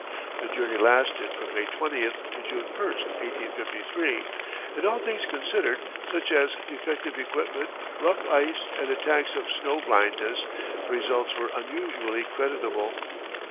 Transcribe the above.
The journey lasted from May 20 to June 1, 1853, and, all things considered, such as defective equipment, rough ice, and attacks of snow blindness, the results were unusually creditable.